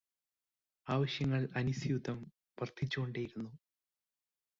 ആവശ്യങ്ങൾ അനുസ്യൂതം വർദ്ധിച്ചുകൊണ്ടേയിരുന്നു.